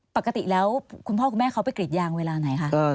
ปกติแล้วคุณพ่อคุณแม่เขาไปกรีดยางเวลาไหนคะ